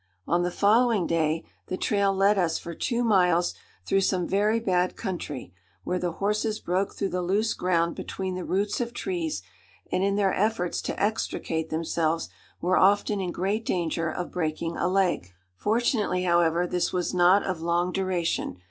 On the following day the trail led us for two miles through some very bad country, where the horses broke through the loose ground between the roots of trees, and in their efforts to extricate themselves were often in great danger of breaking a leg. Fortunately, however, this was not of long duration.